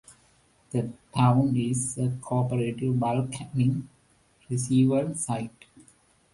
The town is a Cooperative Bulk Handling receival site.